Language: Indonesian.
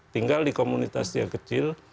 tinggal di komunitas dia kecil